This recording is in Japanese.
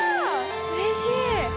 うれしい。